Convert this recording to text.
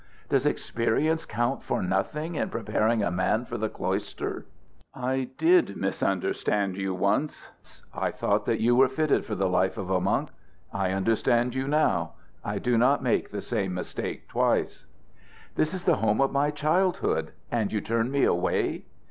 Does experience count for nothing in preparing a man for the cloister?" "I did misunderstand you once; I thought that you were fitted for the life of a monk. I understand you now: I do not make the same mistake twice." "This is the home of my childhood, and you turn me away?"